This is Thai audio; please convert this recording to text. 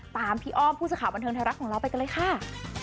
ตามพี่อ้อมผู้สาขาบันเทิงไทยรักของเรา